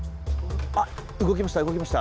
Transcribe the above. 動きました。